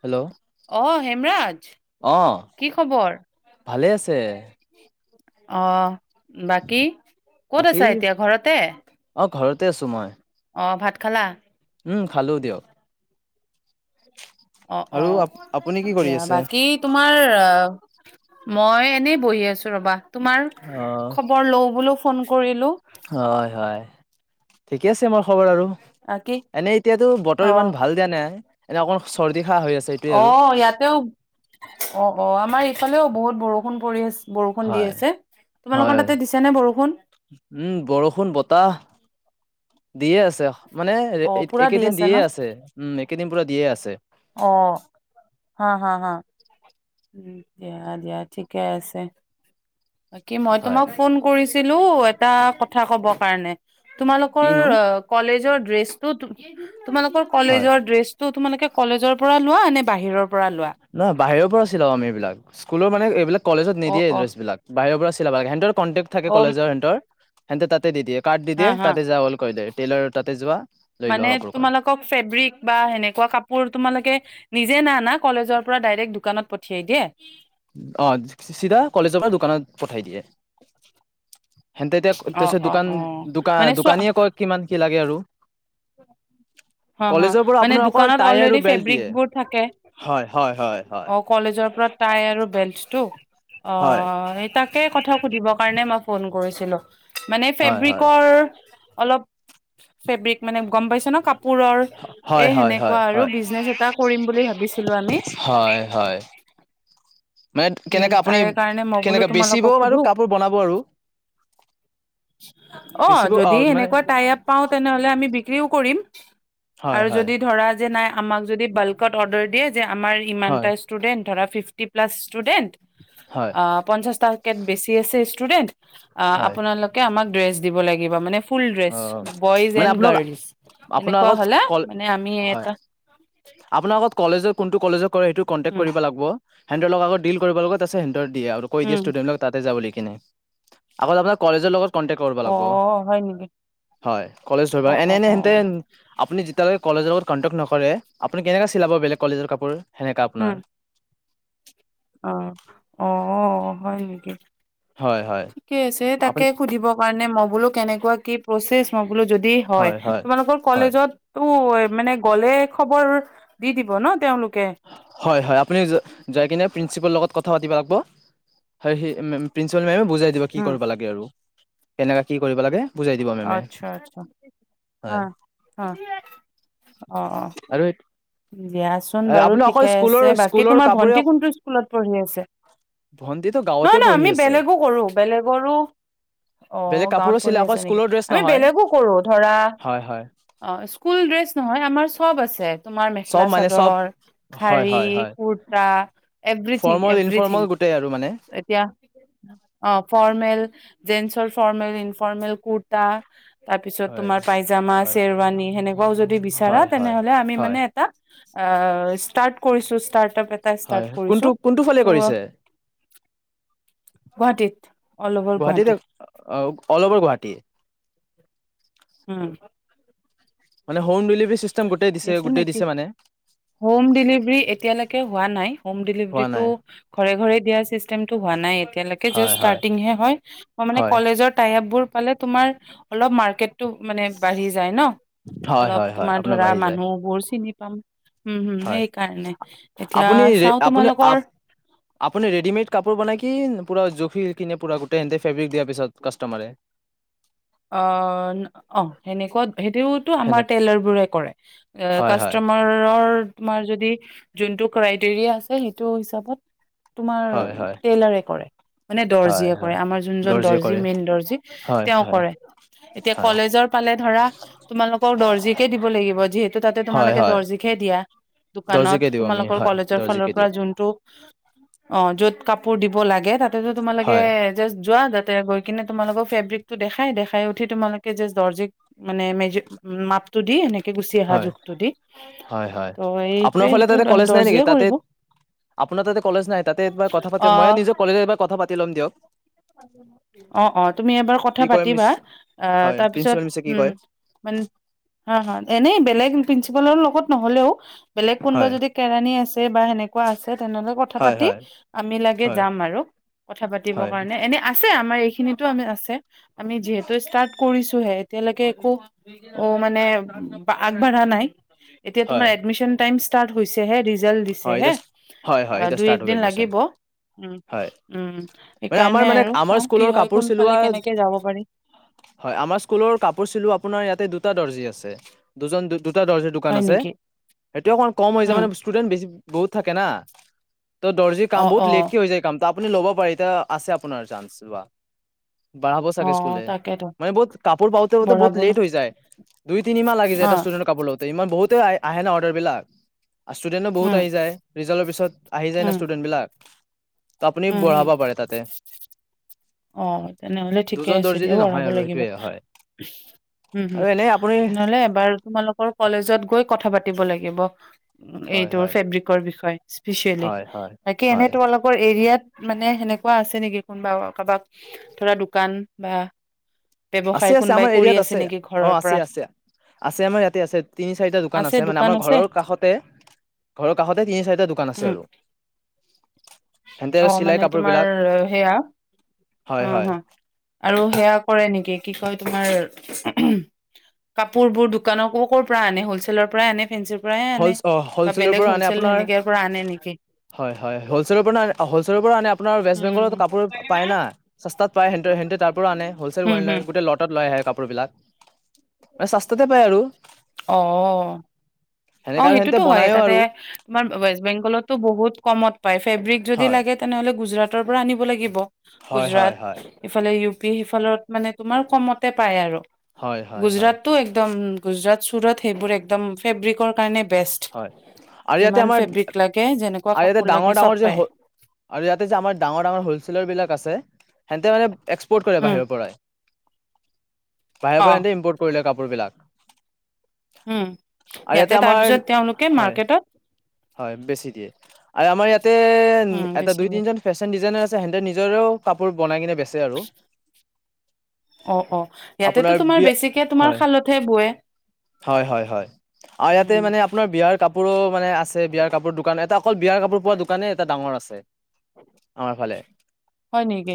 Hello অ' হেমৰাজ অ, কি খবৰ? ভালে আছে? অ। বাকী ক'ত আছা এতিয়া ঘৰতে? তে আছো মই। অ ভাত খালা? উম খালো দিয়ক। অ অ আৰু আপ আপুনি কি কৰি দিয়া আছে বাকী তোমাৰ আ মই এনেই বহি আছো ৰবা তোমাৰ অ খবৰ লওঁ বোলো ফোন কৰিলো হয় হয় ঠিকে আছে মাৰ খবৰ আৰু বাকী এনেই এতিয়াতো বতৰ ইমান অ' ভাল দিয়া নাই এনে অকল চৰ অ ইয়াতেও অ অ আমাৰ ইফালেওহু বৰষুণ পৰি আছে বৰষুণ দি হয় আছে তোমালোকৰ হয় তাতে দিছে নে বৰষুণ? উম বৰষুণ বতাহ দিয়ে আছে মানে অ' পুৰা দি একেদিন ন? দিয়ে আছে উম কেইদিন পৰা দিয়ে আছে অ হা হা হা উ দিয়া দিয়া ঠিকে আছে বাকী মই হয় তোমাক ফোন কৰিছো ছিলো এটা কথা ক'ব কাৰণে তোমালোকৰ কিনো কলেজৰ ড্ৰেছটো তুমি তোমালোকৰ হয় কলেজৰ ড্ৰেছতো তোমালোকে কলেজৰ পৰা লোৱা ন বাহিৰৰ পৰা লোৱা? নহ বাহিৰ আছিল আমি এইবিলাক স্কুলৰ মানে এইবিলাক কলেজত অ নিদিয়ে অ ড্ৰেছ বিলাক বাহিৰৰ পৰা লব লাগে [unintelligible] কনটেক্ট থাকে অ কলেজৰ সিহঁতৰ হেনতে তাতে দি দিয়ে কাৰ্ড দি হা দিয় হা তাতে যা বুলি কয় দাইৰেক টেইলাৰৰ তাতে যোৱা লৈ লোৱা মানে কাপোৰ কয় তোমালোকক ফেব্ৰিক বা সেনেকুৱা কাপোৰ তোমালোকে নিজে নানা কলেজৰ পৰা ডাইৰেক্ট দোকানত পঠিয়াই দিয়ে অ চিধা কলেজৰ পৰা দোকানত পঠাই দিয়ে হেনতে এতিয়া অ তাৰপিত অ দোকান অ মানে দোকান চোৱা দোকানীয়ে কয় কিমান কি লাগে কি আৰু হ -হ কলেজৰ পৰা মানে আপোনাৰ অকল দোকানত টাই আৰু অলৰেডি বেল্ট দিয়ে ফেব্ৰিকবোৰ থাকে। হয় হয় হয় হয় অ', কলেজৰ পৰা তাই আৰু, বেলচ তো, - হয় অ', সেই তাকে কথা সুধিব কাৰণে মই ফোন, কৰিছিলোঁ। মানে হয় হয় হয় ফেব্ৰিকৰ অলপ, - ফেব্ৰিক মানে- গম পাইছে ন', কাপো, পুৰৰ হয় এ', হয় সেনেকুৱা আৰু হয় বিজনেচ এটা কৰিম বুলি ভাবিছিলোঁ আমি। হয় হয় মানে উম্ কেনেকা আপুনি তাৰে কাৰণে মই বোলো কেনেকা বেচিব তোমালোকক আৰু সোধোঁ। কাপোৰ বনাব আৰু অ', বেচিব যদি মানে এনেকুৱা টাই -আপ পাওঁ তেনেহলে আমি বিক, বিক্ৰীও কৰিম। হয় আৰু হয় যদি ধৰা যে, নাই, - আমাক যদি বাল্কত অৰ্ডাৰ দিয়ে, যে, আমাৰ ইমান হয় এটা ষ্টুডেন্ট ধৰাঁ, ফিফটি-প্লাছ, ইছটুদেনত হয় পঞ্চাছ টাকে বেছি আছে ইছটুদেনত, হয় আপোনালোকে আমাক ড্ৰেছ, দিব লাগিব মানে, - ফুল অ ড্ৰেছ, বইজ মানে এণ্ড আপোনাক গাৰ্লছ। আপোনাৰ এনেকুৱা আগত হ'লে কল মানে আমি হয়। এটা আপোনাৰ আগত, - কলেজৰ কোনটো কলেজক? কৰেইটো কন্টেক উম কৰিব লাগব। হেন্তৰ লগত আগত ডিল কৰিব লাগব তাৰপিছত আহিম, দিয়া আৰু কৈ দিয়া উম ষ্টুেদেণ্টক তাতে যা বুলি। কিনে, আগতে আপোনাক কলেজৰ লগত কণ্টেকট কৰবা অ লাগব। হয় নেকি হয়, কলেজ ধৰিব অ অ এনে- অ এনেহেনতে আপুনি, যেতিয়ালৈকে কলেজৰ লগত কণ্টেক নকৰে, আপুনি কেনেকৈ চিলাব বেলেগ কলেজৰ কাপোৰ? সেনেকা আপোনাৰ, উম অ', -অহ্ ', হয় নেকি? হয় হয় ঠিকে আছে আপুনি তাকে সুধিব কাৰণে মই বোলো কেনেকুৱা কি?, পচিচ মম', বোলো যদি হয়, তোমালোকৰ হয় কলেজততো, মানে গলে খবৰ দি, দিব ন ', তেওঁলোক? হয় -হয় আপুনি যাইকিনে প্ৰিন্সিপালৰ লগত কথা, কথা পাতিব লাগব। হয়, সেই প্ৰিন্সিপাল মেমে বুজাই দিব কি উম কৰিব লাগে আৰু। তেনেকুৱা আচ্ছা আচ্ছা হা হয় হ অ অ আৰু ব্যা বাৰু আপুনি অকল ঠিকে আছে স্কুলৰ বাকী স্কুলৰ তোমাৰ কাপোৰে ভন্টি কোনটো স্কুলত পঢ়ি আছে ভন্টিটো গাঁৱতে নহয় নহয় পঢ়ি আমি আছে বেলেগো কৰো বেলেগৰো অ বেলেগ গাঁৱত কাপোৰো পঢ়ি চিলাই অকল আছে নেকি স্কুলৰ ড্ৰেছ আমি নহয় বেলেগো কৰো ধৰা হয় হয় অ স্কুল নহয় আমাৰ সব আছে তোমাৰ চব মেখেলা মানে চব চাদৰ হয় হাৰি হয় হয় খুটা এভৰিঠিং ফৰ্মেল এভৰিঠিং ইনফৰ্মেল গোটেই আৰু মানে ফৰমেল ফৰ্মেল কুৰ্তা তাৰ পিছত হয় তোমাৰ পাইজামা হয় চেৰৱানী সেনেকুৱাও যদি বিচাৰা হয় হয় তেনেহলে আমি হয় ইচটাৰট কৰিছো ইচটাৰট হয় কোনটো কোনটো ফালে কৰিছে গুৱাহাটীত অল অভাৰ গুৱাহাটী গুৱাহাটীত অ অল অভাৰ গুৱাহাটী উম মানে হোম ডেলিভ হম দেলিভাৰী এতিয়ালেকে হোৱা নাই হম দেলিভেৰী হোৱা টো নাই ঘৰে ঘৰে দিয়া চিষ্টেম টো হোৱা নাই এতিয়া এতিযালেকে হয় জাষ্ট হয় ষ্টাৰ্টিং হে হয় মানে হয় কলেজৰ টাইআপ বোৰ পালে তোমাৰ অলপ মাৰ্কেটটো মানে বাঢ়ি যায় ন হয় অলপ হয় হয় আপোনাৰ ধৰা বাঢ়ি যায় মানুহবোৰ চিনি পাম উম হম হয় সেইকাৰণে এতিয়া আপুনি চাও আপনি তোমালোকৰ আপুনি ৰেডিমেড কাপোৰ বনায় কি পুৰা জোখি কিনে পুৰা গোটেই এণ্টি ফেব্ৰিক দিয়াৰ পিছত কাষ্টমাৰে অ অ অ ন অহ সেনেকুৱা সেইটোওতো আমাৰ সেনে টেইলাৰবোৰে কৰে হয় হয় কাষ্টমাৰৰ তোমাৰ যদি যোনটো ক্ৰাইটেৰিয়া আছে সেইটো হিচাপত তোমাৰ হয় হয় টেইলাৰে কৰে মানে হয় দৰ্জীয়ে কৰে হয় আমাৰ যোনজন দৰ্জিয়ে দৰ্জি কৰে মেইন দৰ্জী হয় তেওঁ হয় কৰে এতিয়া হয় কলেজৰ পালে ধৰা তোমালোকক দৰ্জীকে দিব লাগিব যিহেতু তাতে হয় তোমালোকে হয় দৰ্জীক হে দিয়া দোকানত দৰ্জিকে দিওঁ আমি তোমালোকৰ হয় কলেজৰ ফালৰ দৰ্জিকে পৰা দিওঁ যোনটো অ য'ত কাপোৰ দিব লাগে তাত এটিয়াটো তোমালোকে হয় জাষ্ট যোৱা তাত তে গৈ কিনে তোমালোকৰ ফেব্ৰিক টো দেখাই দেখা খাই উঠি তোমালোকো দৰ্জিক মানে মেজ মাপটো দি এ হয় হয় হয় ত' এইটোৱে আপোনাৰ ফালে সেইটো তাতে কলেজ নাই নেকি দৰ্জিয়ে তাতে কৰিব আপোনাৰ তাতে কলেজ নাই তাতে একবাৰা কথা অ পতক মই নিজে কলেজত এইবাৰ কথা পাতি তি লম দিয়ক অ অ তুমি এবাৰ কথা কি কয় মিছ পাতিবা আহ হয় তাৰপিছত প্ৰিন্সিপাল মিছে কি উম কয় মে অ অ এনেই বেলেগ প্ৰিঞ্চিপালৰ লগত নহলেও বেলেগ কোনোবা হয় যদি কেৰাণী আছে বা সেনেকুৱা আছে তেনেহলে কথা হয় পাতি হয় আমি লাগে হয় যাম আৰু কথা পাতিব হয় হয়নে এনে আছে আমাৰ সিটো আ আছে আমি যিহেতু ষ্টাৰ্ট কৰিছোহে এতিয়ালৈকে একো অ মানে আগবাঢ়া নাই এতিয়া তোমাৰ হয় এডমিশ্যন টাইমছ ষ্টাৰ্ট হৈছেহে ৰিজাল্ট দিছে হয় হে এতিয়া হয় অ হয় এতিয়া দুই এক ষ্টাৰ্ট হ'ব দিন এডমিশ্যন লাগিব উম এ আমাৰ সেইকাৰণে মানে আৰু আমাৰ চাও কি স্কুলৰ হয় কাপোৰ চিলোৱা কোনফালে কেনেকে যাব পাৰি হয় আমাৰ স্কুলৰ কাপোৰ চিলোৱা আপোনাৰ ইয়াতে দুটা দৰ্জী আছে দুজন দ দুটা দৰ্জাৰ দোকান হয় আছে, নেকি সেইটোৱে অকণ কম হৈ যায় উম মানে ষ্টুডেন্ট বেছি আছে। বহুত থাকে না। ত দৰ্জি অ কাম বহত অ লেট হৈ যায় কাম আপুনি ল'ব পাৰে এতিয়া আছে আপোনাৰ চাঞ্চ লোৱা বঢ়াব অ চাগে তাকেতো স্কুলোনে বহুত কাপোৰ পাওঁতে পাওঁতে বহুত বঢ়াব ন লেট হৈ যায়, দুই তিনি মাহ লাগি যায় অ এটা ষ্টুডেণ্ট কাপোৰ লাওঁতে ইমান বহুতে আহে ন অৰ্ডাৰ বিলাক ষ্টুডেণ্ট উম আহি যায় ৰিজাল্টৰ পিছত আহি যায় না উম ষ্টুডেন্ট বিলাক। আপুনি উম হম বঢ়াব পাৰে তাতে। অ তেনেহলে ঠিকে দুজন আছে দৰ্জী দিয়া দি নহয় বঢ়াব আৰু লাগিব সেইটোৱে হয় হম আৰু এনেই আপুনি তেনেহলে এবাৰ তোমালোকৰ কলেজত গৈ কথাকে। কথা পাতিব লাগিব, হয় এইটো হয়। ফেব্ৰিকৰ বিষয়ে স্পিচিয়েলি হয় হয় বাকী এনে হয় তোমালোকৰ এৰিয়াত মানে সেনেকুৱা আছে নেকি? বাৰু কাৰোবাক ধৰা দোকান বা ব্যৱসায় আছে -আছে কোনোবাই আমাৰ কৰি এৰিয়াত আছে নেকি ঘৰৰ অ' আছে পৰা আছে -আছে আমাৰ ইয়াতে আছে তিনি চাৰিটা দোকান আছে মানে আমাৰ ঘৰৰ কাষতে ঘৰৰ কাষতে তিনি চাৰিটা দোকান আছে উম আৰু। সেনতে আৰু অ' চিলাই মানে কাপোৰ তোমাৰ বিলাক সেয়া হয় অ' হয় হ আৰু সেয়া কৰি কি কয় তোমাৰ কাপোৰ বোৰ দোকানৰ কৰ কৰ পৰ আনে হ'ল ছেল ৰ পৰা আনে নে ফেঞ্চি পৰা আনে হ বা হলছেলৰ বেলেগ পৰা আনে হ'লচেল আপোনাৰ সেনেকে পৰা আনে নেকি হয়- হয় হলছেলৰ পৰা হলচলৰ পৰা আনে আপোনাৰ ৱেষ্ট বেংগলত উম কাপোৰ পায় না। চস্তাত পায় সেহেতে তাৰ পৰা আনে হলচেল হম হম [unintelligible] গোট লতাত লৈ আহে কাপোৰ কাপোৰবিলাক। মাননে সস্তাতে পাই আৰু। অ অ সেনেকা আৰু সেহতে 'সেইটোতো হয় বনায়ো তাতে আৰু তোমাৰ ৱেষ্ট বেংগলতো বহুত কমত পায়। ফেব্ৰিক যদি হয় লাগে তেনেহ'লে গুজৰাট। গুজৰাটৰ পৰা আনিব লাগিব। হয় হয় গুজৰাট হয় ইফালে ইউ সেইফালত মানে তোমাৰ কমতে পায় আৰু। হয় হয় হয় গুজৰাটটো একদম গুজৰাট চুৰত সেইবোৰ একদম ফেব্ৰিকৰ। কাৰণে বি হয় আৰু ইয়াতে আমাৰ আৰু লাগে যেনেকুৱা অ ইয়াতে কাপোৰ লাগে ডাঙৰ চব ডাঙৰ যে পায় হ আৰু ইয়াতে যে আমাৰ ডাঙৰ ডাঙৰ হলছেলৰ বিলাক আছে। সিহঁতে মানে এক্সপৰ্ট কৰে উম বাহিৰৰ পৰাই। পাৰে অ পৰে দেই এ ইম্পৰ্ কৰিলে কাপ কাপোৰ বিলাক উম আৰু ইয়াতে আমাৰ তাৰপিছত তেওঁলোক হয় হয় বেছি দিয়ে আৰু আমাৰ ইয়াতে উম এটা বেছি দুই তিনিজন ফেশ্বন ডিজাইনাৰ আছে সিহঁতে নিজৰেও কাপোৰ বনাই কিনে বেচে আৰু অঁ অঁ ইয়াতেতটো আপোনাৰ তোমাৰ বিয়া বেছিকৈ তোমাৰ হয় হালতহে বোৱে হয় হয় হয় আৰু ইয়াতে উম মানে আপোনাৰ বিয়াৰ কাপোৰো মানে আছে বিয়াৰ কাপোৰ দোকান এটা অকল বিয়াৰ কাপোৰ পোৱা দোকানে এটা ডাঙৰ আছে আমাৰ ফালে হয় নেকি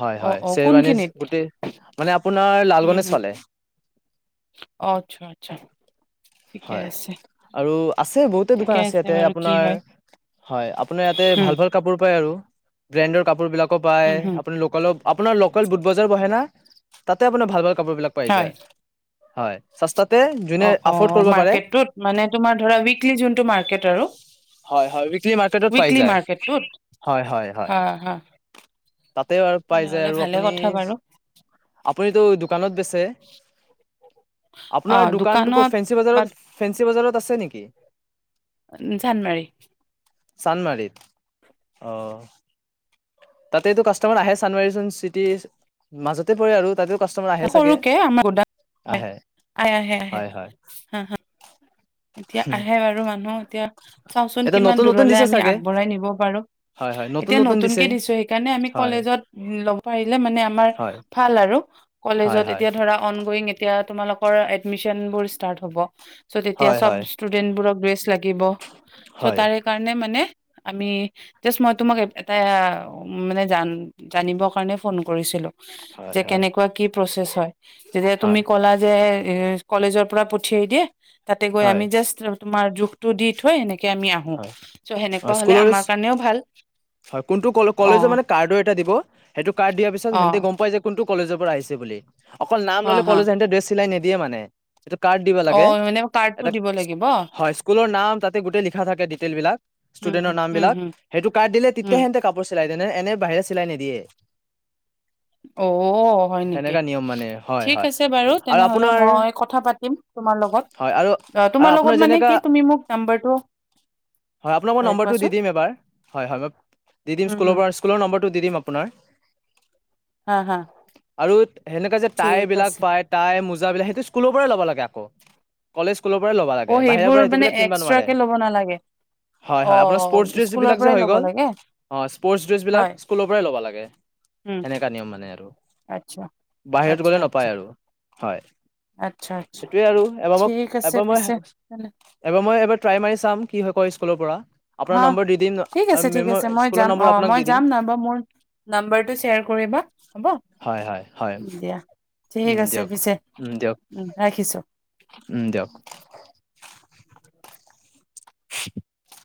হয় অঁ হয় অঁ শ্বেৰৱানী কোনখিনিত গোটেই মানে আপোনাৰ উম লালগণেজ হম ফালে অঁ আচ্ছা আচ্ছা ঠিকে হয় আছে আৰু আছে বহুতে দোকান ঠিকে আছে ইয়াতে বাৰু কি আপোনাৰ হয় হয় আপোনাৰ ইয়াতে উম ভাল ভাল কাপোৰ পাই আৰু বেনদৰ কাপোৰ বিলাক হ'ব পায় উম হম আপোনাৰ লোকেলত আপোনাৰ লোকেল বুট বজাৰ বহে না তাতে আপোনাৰ ভাল ভাল কাপোৰ বিলাক পাই হয় যায় হয় চস্তাত এহ অ যোনে অ আৰফৰ্ড কৰিব পাৰে মাৰ্কেটটোত মানে তোমাৰ ধৰা উইকলি যোনটো মাৰ্কেট আৰু হয় হয় উইকলি মাৰ্কেটত পাই উইকলি যায় মাৰ্কেটটোত হয় হয় হয় হ তাতে আৰু পাই যায় আৰু আপুনি বাৰু আপুনিতো দোকানত বেচ অ আপোনাৰ দোকানটো ক'ত দোকানত ফেঞ্চি বা বজাৰত ৰেঞ্জ বজাৰত আছে নেকি উ জানমাৰি চানমাৰিত অঁ তাতেতটো কাষ্টমাৰ আহে চানুৱাৰী চোন চিটিৰ মাজতে পৰে আৰু তাতে সৰুকে আমাৰ আহ আহে আহে আহে হয় হয় হাঁ হাঁ এতিয়া আহে বাৰু মানুহ চাওচোন এতিয়া কিমান নতুন নতুন দূৰলে দিছে আমি চাগে আগবঢ়াই নিব পাৰো। হয় হয় নতুন এতিয়া নতুন দিছে নতুনকে দিছো সেইকাৰণে আমি হয় কলেজত লব পাৰিলে মানে আমাৰ হয় ভাল আৰু। হয় কলেজত হয় এতিয়া ধৰা অন- [unintelligible] এতিয়া তোমালোকৰ এডমিশ্যনবোৰ ষ্টাৰ্ট হ'ব। এতিয়া হয় চব হয় ষ্টুডেন্ট বোৰক ড্ৰেছ লাগিব। চ হয় তাৰে কাৰণে মানে আমি জাচ মই তোমাক এটা মানে জান জানিব কাৰণে ফোন কৰিছিলো। হয় যে হয় কেনেকুৱা কিব প্ৰচেছ হয়। যেনে তুমি হয় ক'লা যে এ, কলেজৰ পৰা পঠিয়াই দিয়ে। তাতে হয় গৈ হয় আমি জাষ্ট তোমাৰ জোখ টো দি থৈ এনেকে হয় অ', স্কুলৰ ড্ৰেছ কাৰণেও ভাল হয়। কোনটো অ কলেজৰ মানে কাৰ্ডটো এটা দিব, সেইটো কাৰ্ড দিয়াৰ পিছত অ হেন্তে গম পাই যে কোনটো কলেজৰ পৰা আহিছে বুলি। অকল নাম হা ললে হা কলেজ হেন্তে ড্ৰেছ চিলাই নি দিয়ে মানে। সেইটো কাৰ্ড দিব অ লাগে, মানে কাৰ্ডটো এটা দিব লাগিব হয় স্কুলৰ নাম তাতে গোটেই লিখা ডিতেইল বিলাক উম ষ্টুডেন্টৰ হম নাম হম বিলাক হম সেইটো কাৰ্ড দিলে হম তেতিয়া সেতে কাপোৰ চিলাই। এনে এনে বাহিৰে চিলাই নিদিয়ে। অ' হয় নেকি? সেনেকা নিয়ম মানে হয় ঠিক হয় আছে বাৰু আৰু তেনেহলে আপোনাৰ মই কথা পাতিম তোমাৰ হয় লগত, আৰু আৰু তোমাৰ আপোনাৰ লগত মানে যেনেকা কি তুমি মোক নাম্বাৰটো হয়, আপোনাক মই নম্বৰটো দি দিম এবাৰ। হয় হয়, মই দি দিম। উম হম স্কুলৰ স্কুলৰ নম্বৰটো দি দিম আপোনাৰ। হা হা আৰু সেনেকা যে তাই ঠিক বিলাক আছে পায় তাই সেইটো স্কুল পৰাই ল'ব লাগে আক কলে স্কুলৰ পৰাই ল'ব অ লাগে বাহিৰৰ সেইবোৰ পৰা মানে এইটোবিলাক কিনিব নোৱাৰে এক্সট্ৰাকে ল'ব নালাগে হয় হয় আপোনাৰ স্পৰ্টছ অ', ড্ৰেছ স্কুলৰ বিলাক যে পৰাই হৈ ল'ব গ'ল অ লাগে হয়, হয় স্পৰ্টছ ড্ৰেছ বিলাক হয়। স্কুলৰ পৰাই ল'ব লাগে উম। সেনেকা নিয়ম মানে আৰু আচ্ছা, বাহিৰত আচ্ছা, গ'লে আচ্ছা, নাপায় আৰু হয়, আচ্ছা, আচ্ছা সেইটোয়ে আৰু এবাৰ মই ঠিক আছে এবাৰ মই পিছে এবাৰ মই এবাৰ ট্ৰাই মাৰিছো কি হয় কয় স্কুলৰ পৰা দিম ঠিক আৰু আছে ঠিক মেমৰ আছে মই স্কুলৰ যাম নম্বৰ অ আপোনাক মই দি দিম যাম নহ'ল বা মোৰ নাম্বাৰটো শ্বেয়াৰ কৰিবা হ'ব হয় হয় হয় দিয়া ঠিক উম আছে দিয়ক পিছে উম দিয়ক ৰাখিছো উম দিয়ক [inaudible]